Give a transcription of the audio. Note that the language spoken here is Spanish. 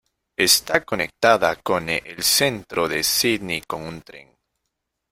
Está conectada cone el Centro de Sídney con un tren.